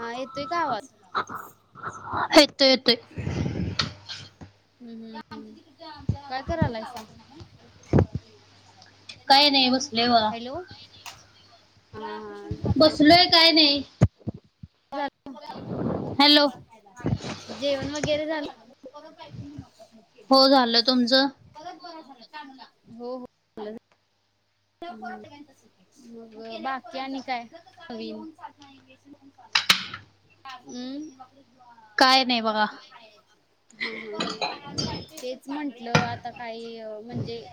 हा येतोय का आवाज? येतोय येतोय. [unintelligible] हम्म हम्म काय करायलायसा? [inaudible] नाही बसलोय बघा हॅलो. हा हा बसलोय काय नाही. हॅलो. जेवण वगैरे झालं? हो झालं तुमचं? [unintelligible] हो हो. हम्म मग बाकी आणि काय नवीन? अम्? हा काय नाही बघा हा हा, तेच म्हटलं आता काही अ, म्हणजे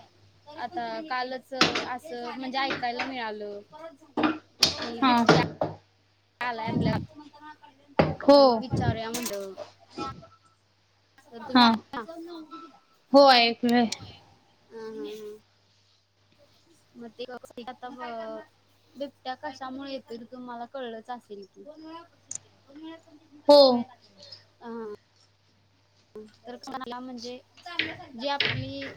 आता कालचं असं म्हणजे ऐकायला मिळालं. कि हा बिबट्या आलाय आपल्या हो विचारूया म्हणलं. हा [unintelligible] हो ऐकलय. हा हा हा. [unintelligible] बिबट्या कशामुळे येतोय ते तुम्हाला कळलंच असेल की? हो. हा हा. तर कोणाला म्हणजे, जी आपली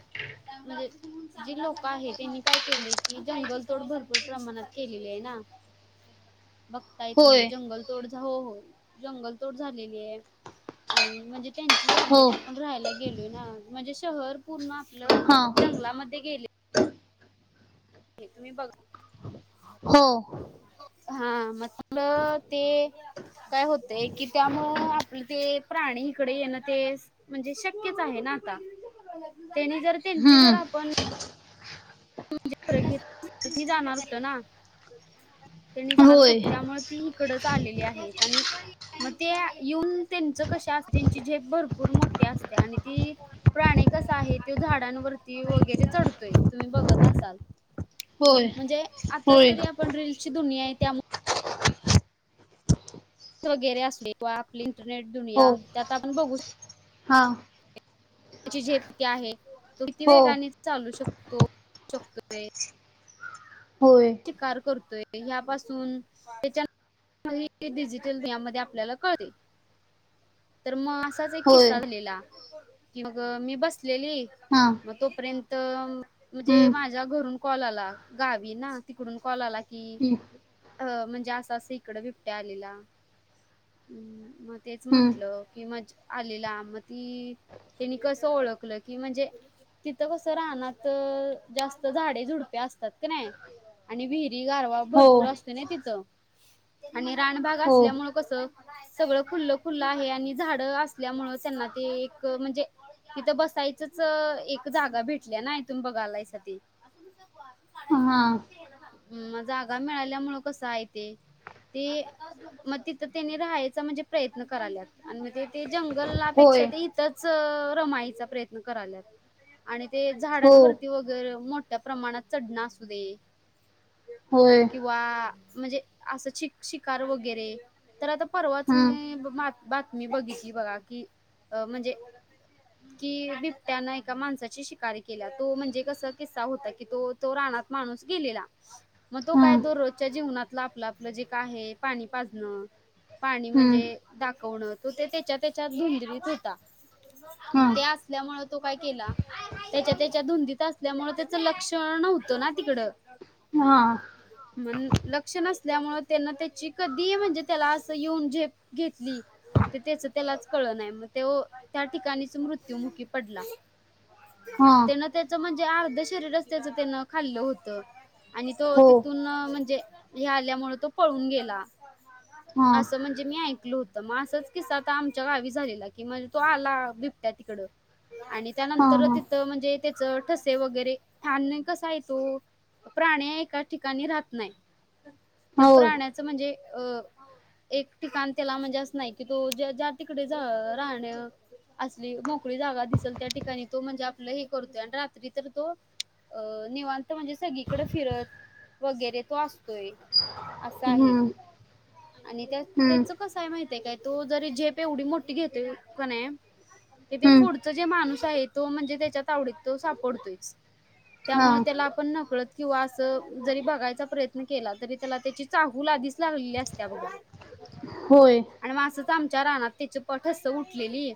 म्हणजे जी लोक आहे त्यांनी काय केलंय, की जंगल तोड भरपूर प्रमाणात केलेली आहे ना. [inaudible] बघताय तुम्ही होय जंगल तोड हो हो, जंगल तोड झालेली आहे आणि म्हणजे त्यांची हो जागेत आप आपण राहायला गेलोय ना, म्हणजे शहर पूर्ण आपलं हा जंगलामध्ये गेलय. [unintelligible] हो. हा मग ते, काय होतंय की त्यामुळं मग ते प्राणी इकडे येणं तेच, म्हणजे शक्यच आहे ना आता. ते नी जर त्यांची जर हम्म आप [unintelligible] जाणार होतं ना [unintelligible] ते नी जाणार होय कुठं त्यामुळे ती इकडचं आललेली आहेत आणि मग त्या येऊन त्यांचं कशी असते, त्यांची झेप भरपूर मोठी असते आणि ती प्राणी कसा आहे, तो झाडांवरती वगैरे चढतोय, तुम्ही बघत असाल? होय म्हणजे आता होय तरी आपण रील ची दुनियाय त्या त वगैरे असले किंवा आपली इंटरनेट दुनिया, हो त्यात आपण बघू श हा. त्याची झेपती [inaudible] आहे, तो किती हो वेगाने चालू शकतो, शकतोय. होय. कार करतोय, ह्यापासून तेज्या डिजिटल यामध्ये आपल्याला कळते, तर म अस [inaudible] तच एक होय किस्सा झालेला, की मग मी बसलेली हा. मग तोपर्यंत, म्हणजे हम्म माझ्या घरून कॉल आला गावी ना तिकडून कॉल आला कि, हम्म अ म्हणजे असं-असं इकडं बिबट्या आलेला हम् मग तेच हम्म म्हंटलं, की मज आलेला म ती त्यांनी कसं ओळखलं की म्हणजे तिथं कसं रानात, जास्त झाडे झुडपे असतात कणे. आणि विहिरी गारवा हो भरपूर असतो नई तिथं, आणि रानभाग हो असल्यामुळे कसं सगळं खुल्लं-खुल्लं आहे आणि झाड असल्यामुळ त्यांना ते, एक म्हणजे तिथं बसायचच एक जागा भेटल्या ना इथून बघालायसा ते [inaudible] हा हम्म, जागा मिळाल्यामुळ कसाय ते ते, म तिथं तेन्ही राहायचा म्हणजे प्रयत्न कराल्यात. आणि मग ते ते होय जंगलपेक्षा ते इथंच रमायचा प्रयत्न करालात. आणि ते हो झाडांवरती वगैरे मोठ्या प्रमाणात चढणं [inaudible] असू दे होय. [inaudible] म्हणजे अस शिकार [inaudible] वगरे तर आता परवाच हम्म म बातमी बघितली बघा की अ म्हणजे. ह [unintelligible] [inaudible] कि बिबट्यानं एका माणसाची शिकारी केल्या तो म्हणजे कसा किस्सा होता की तो, तो रानात माणूस गेलेला मग तो काय हम्म दररोजच्या जीवनातलं आपलं आपलं जे काय आहे पाणी पाजणं पाणी हम्म म्हणजे दाखवणं तो ते त्याच्या त्याच्या धुंदळीत होता. हा मग ते असल्यामुळे. तो काय केला, त्याच्या त्याच्या धुंदीत असल्यामुळे त्याचं लक्षण नव्हतं ना तिकड. हा. म्हण लक्ष नसल्यामुळे त्यांना ते चिक [inaudible] दि [inaudible] म्हणजे त्याला असं येऊन जे घेतली. ते त्याच त्यालाच कळ नाही मग [inaudible] ते त्या ठिकाणीच मृत्युमुखी पडला. हा त्यान त्याच म्हणजे अर्ध शरीरच त्याचं त्यानं खाल्लं होतं. आणि तो हो तिथून म्हणजे हे, आल्यामुळे तो पळून गेला. हा असं म्हणजे. म्हणजे मी ऐकल होत मग असंच [inaudible] किस आता आमच्या गावी झाला की म्हणजे तो आला बिबट्या तिकड. आणि हा त्यानंतर हा तिथं म्हणजे त्याच ठसे वगैरे, छान कसा आहे तो. [inaudible] प्राण्या एका ठिकाणी राहत नाही त्या होय प्राण्याच म्हणजे अ. एक ठिकाण त्याला म्हणजे असं नाही कि तो ज्या तिकडे राहण. असली मोकळी जागा दिसल त्या ठिकाणी तो म्हणजे आपलं हे करतोय आणि रात्री तर तो. अ निवांत म्हणजे [inaudible] सगकडे फिरत वगैरे तो असतोय. असं आहे हम्म आणि त्या हम्म त्याच कसय माहिती काय तोरी झेप एवढी मोठी घेते [inaudible] पण हम्म त [inaudible] जे माणूस आहे. तो म्हणजे त्याच्यात तवडीत तो सापडतोयच हा त्यामुळे त्याला. पण नकळत किंवा असं जरी बघायचा प्रयत्न केला, तरी त्याला त्याची चाहूल आधीच लागलेली असत्या. होय. आणि मा असचं आमच्या रानात त्याचं प ठस उठलेली,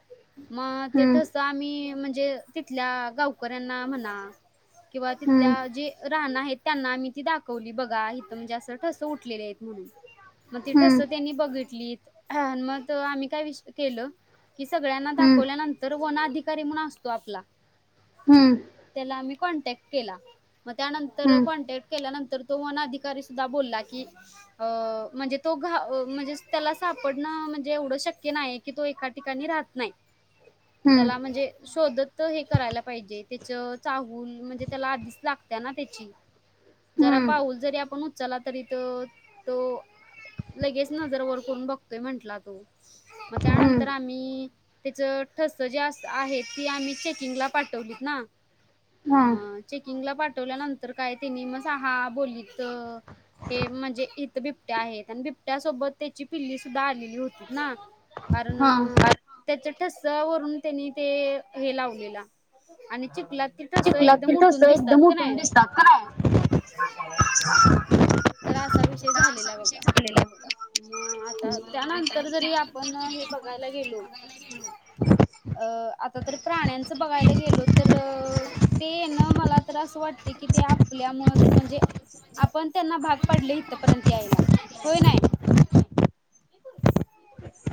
मग ते हम्म ठस मी म्हणजे तिथल्या गावकऱ्यांना म्हणा किंवा हम्म तिथल्या जे राहणं आहेत त्यांना मी ती दाखवली, बघा इथं म्हणजे असं ठस उठलेले आहेत म्हणून. मग ती ठस हम्म त्यांनी बघितली, मग आम्ही काय विष केलं. कि सगळ्यांना हम्म दाखवल्यानंतर वन अधिकारी म्हणून असतो आपला. हम्म. त्याला आम्ही कॉन्टॅक्ट केला, मग त्यानंतर हम्म कॉन्टॅक्ट केल्यानंतर तो वन अधिकारी सुद्धा बोलला की अ म्हणजे तो घा म्हणजे त्याला सापडणं म्हणजे एवढं शक्य नाही. की तो एका ठिकाणी राहत नाही. [inaudible] त्याला म्हणजे शोधत हे करायला पाहिजे, त्याचं चाहूल म्हणजे त्याला आधीच लाग ते ना त्याची, जरा हम्म पाऊल जरी आपण उचला तरी तो, तो लगेच नजर वर करून बघतोय म्हंटला तो. मग हम्म त्यानंतर आम्ही ती त्याचं ठस जे आहे ती आम्ही चेकिंगला पाठवलीत ना. हा मग चेकिंगला पाठवल्यानंतर काय त्यांनी म स हा बोललीत. हे म्हणजे इथं बिबट्या आहेत आणि बिबट्यासोबत त्याची पिल्लीसुद्धा आलेली होती ना. कारण हा त्याचं ठस वरून त्यांनी ते हे लावलेलाआणि चिखलात ती ठस एकदम तस उठून दिसतात. का नाही [unintelligible] तर असा विषय झालेला बघा. मग आता त्यानंतर जरी आपण हे बघायला गेलो अ आता तर प्राण्यांच बघायला गेलो, तर ते ना मला तर असं वाटते की ते आपल्यामुळेच म्हणजे आपण त्यांना भाग पाडले इथपर्यंत यायला होय नाही? [inaudible]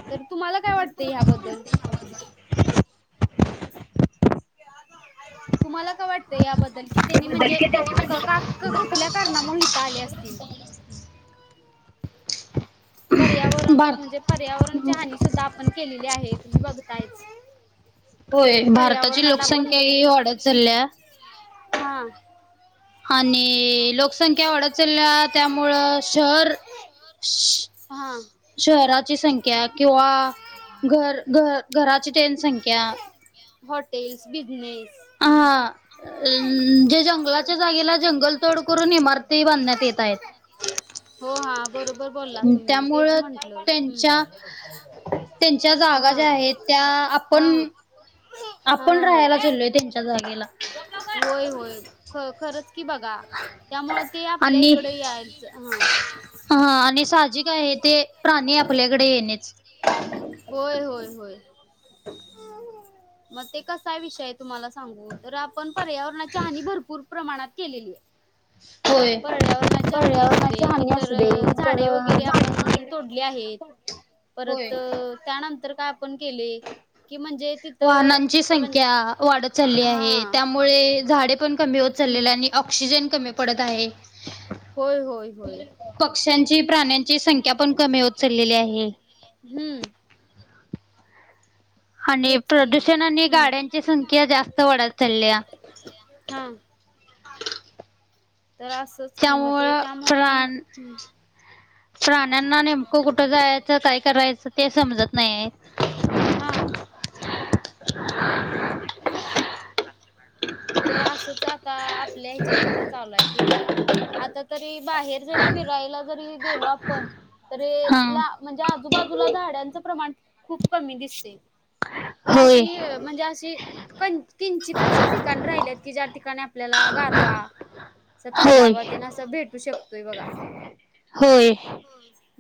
तर तुम्हाला काय वाटतं ह्या बद्दल? तुम्हाला काय वाट ते याबद्दल? कि त्यांनी म्हणजे क का कुठल्या कारणामुळे हित आले असतील? एकदम पर्यावरण भारत म्हणजे पर्यावरणची हानी सुद्धा आपण केलेली आहे, तुम्ही बघतायच. होय भारताची पर्यावरणाला आपण लोकसंख्या ही वाढत चाललीया. हा. आणि लोकसंख्या वाढत चालल्या त्यामुळं शहर स हा. शहराची संख्या किंवा घर घर घराची तेन संख्या हॉटेल्स, बिजनेस हा जे जंगलाच्या जागेला जंगल तोड करून इमार ती बांधण्यात येत आहेत. हो हा बरोबर बोलला तुम्ही तेच त्यामुळं म्हंटल त्यांच्या हम्. त्यांच्या जागा ज्या आहेत त्या आपण हा हा आपण हा राहायला चालोय त्यांच्या जागेला. होय होय ख खरच की बघा त्यामुळे ते आपल्या आणि, इकडे यायचं हा हा आणि साहजिक आहे ते प्राणी आपल्याकडे येणेच होय होय होय म ते कसा विषय तुम्हाला सांगू तर आपण पर्यावरण [unintelligible] हानी भरपूर प्रमाणात केलेली ये [inaudible] पर्यावरणाची हानी असू दे इतर झाडे वगैरे आपण तोडली आहेत होय परत अ त्यानंतर काय आपण केले कि म्हणजे तिथं वाहनांची म्हण संख्या वाढत चालली हा आहे, त्यामुळे झाडे पण कमी होत हम्म चाललेली आणि ऑक्सिजन कमी पडत आहे [inaudible] होय होय होय पक्ष्यांची प्राण्यांची संख्या पण कमी होत चाललेली आहे हम् आणि तेच की प्रदूषण आणि हम्म. गाड्यांची संख्या जास्त वाढत चाल्या [unintelligible] तर असच कि म ते त्यामुळं त्यामुळ प्राण प्राण्यांना नेमक कुठ जायच काय करायच ते समजत नाहीये हा तर आसच आता आपल्या ह्याच्यात कस चालूय कि म आता तरी बाहेर जरी फिरायला जरी गेलो पण रे हां ला म्हणजे आजूबाजूला झाडांच प्रमाण खूप कमी दिसते की होय अशी म्हणजे अशी पण किंचितच ठिकाणी राहिलेत की ज्या ठिकाणी आपल्याला गारवा अस होय थंडावा तेन अस भेटू शकतोय बघा होय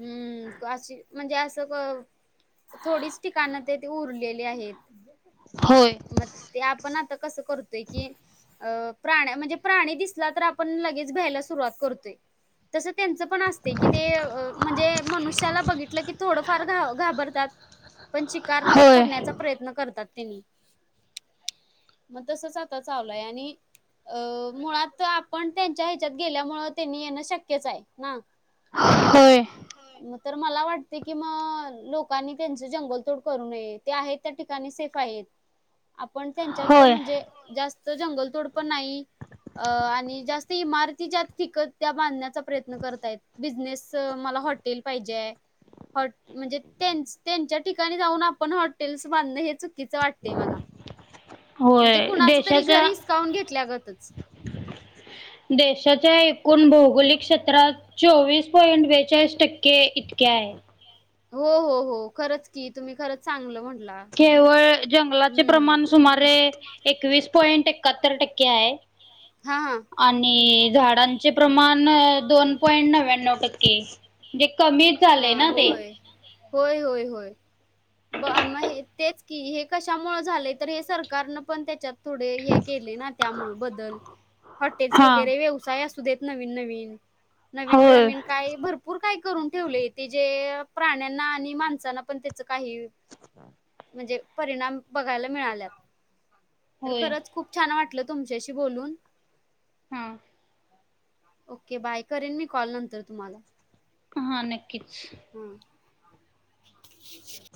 हम् अशी म्हणजे अस थोडीच ठिकाण ते ते उरलेले आहेत होय. म ते आपण आता कसं करतोय की अ प्राण्या म्हणजे प्राणी दिसला तर आपण लगेच भ्यायला सुरुवात करतोय. तस त्यांच पण [unintelligible] ते म्हणजे मनुष्याला बघितलं की थोडंफार घाब घाबरतात. पण शिकार होय करण्याचा प्रयत्न करतात तेनी. मग तसच आता चालूय आणि अ मुळात आपण त्यांच्या ह्याच्यात गेल्यामुंळ त्यांनी येणं शक्यच आहे, ना. होय. म तर मला वाटते कि म लोकांनी त्यांच जंगलतोड करू नये. ते आहेत त्या ठिकाणी सेफ आहेत. [inaudible] आपण त्यांच्यात होय म्हणजे जास्त जंगलतोड पण नाही अ आणि जास्त इमारती ज्यात फिकत त्या बांधण्याचा प्रयत्न करतायत बिझनेस मला हॉटेल पाहिजेय. म्हणजे तेचं त्यांच्या ठिकाणी जाऊन आपण हॉटेल्स बांधन हेच- चुकीच वाटतंय मला म्हणजे होय कुणाच तरी घर देशाच्या हिसकावून घेतल्यागतच. देशाच्या एकूण भौगोलिक क्षेत्रात. चोवीस पॉइंट बेचाळीस टक्के इतके आहे. हो हो हो खरंच की तुम्ही खरंच चांगलं म्हंटला केवळ जंगलाचे हम्म. प्रमाण सुमारे एकवीस पॉइंट एकाहत्तर टक्के आहे. हा आ आणि झाडांचे प्रमाण दोन पॉईंट नव्याण्णव टक्के. म्हणजे कमीच हा झालेय ना ते. होय होय होय होय. ब म हे तेच की हे कशामुंळ झालंय तर हे सरकारनं पण त्याच्यात थोडे हे केले ना त्यामुळे बदल हॉटेल्स हा वगैरे व्यवसाय असुदेत नवीन नवीन नवीन होय रवीन काय भर भरपूर काय करून ठेवलंय ते जे प्राण्यांना आणि माणसांला पण तेच काही म्हणजे परिणाम बघायला मिळाल्या तर होय खरच. खूप छान वाटलं तुमच्याशी बोलून. हां. ओके बाय करेन मी कॉल नंतर तुम्हाला. हा नक्कीच. हम्म.